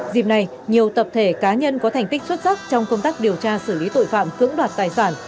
dịp này nhiều tập thể cá nhân có thành tích xuất sắc trong công tác điều tra xử lý tội phạm cưỡng đoạt tài sản